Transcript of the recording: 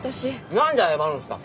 何で謝るんすか。